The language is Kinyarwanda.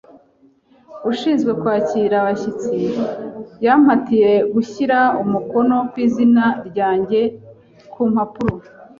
Ushinzwe kwakira abashyitsi yampatiye gushyira umukono ku izina ryanjye ku mpapuro.